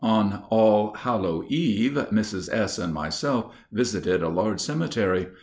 On All hallow eve Mrs. S. and myself visited a large cemetery.